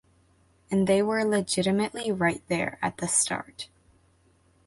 And they were legitimately right there at the start.